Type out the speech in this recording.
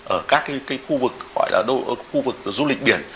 ở các khu vực du lịch biển